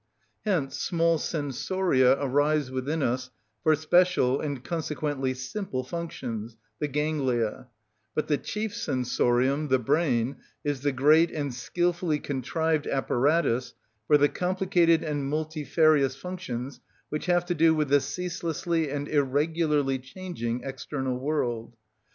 Hence small sensoria arise within us for special, and consequently simple, functions, the ganglia; but the chief sensorium, the brain, is the great and skilfully contrived apparatus for the complicated and multifarious functions which have to do with the ceaselessly and irregularly changing external world.